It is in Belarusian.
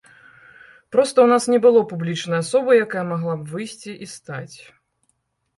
Проста ў нас не было публічнай асобы, якая магла б выйсці і стаць.